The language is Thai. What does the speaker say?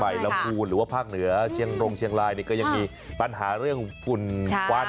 ลำพูนหรือว่าภาคเหนือเชียงรงเชียงรายนี่ก็ยังมีปัญหาเรื่องฝุ่นควัน